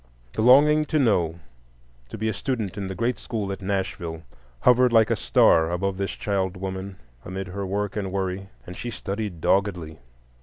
The longing to know, to be a student in the great school at Nashville, hovered like a star above this child woman amid her work and worry, and she studied doggedly.